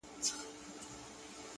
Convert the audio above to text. زه څلور ورځي مهلت درڅخه غواړم؛